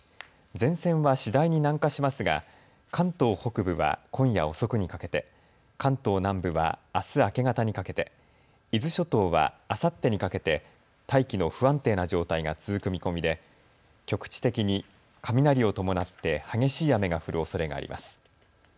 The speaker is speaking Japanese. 前線は次第に南下しますが関東北部は今夜遅くにかけて、関東南部はあす明け方にかけて、伊豆諸島はあさってにかけて大気の不安定な状態が続く見込みで局地的に雷を伴って激しい雨が降るおそれがあります。